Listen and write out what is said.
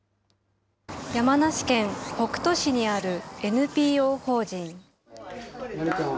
山梨県北杜市にあるＮＰＯ法人。